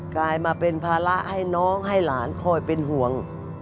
กลายมาเป็นภาระให้น้องให้หลานคอยเป็นห่วง